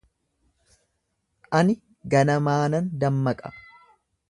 Ani ganamaanan dammaqa.